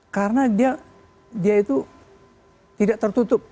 karena dia itu tidak tertutup